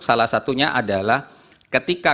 salah satunya adalah ketika